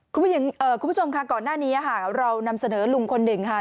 คุณผู้ชมค่ะก่อนหน้านี้ค่ะเรานำเสนอลุงคนหนึ่งค่ะ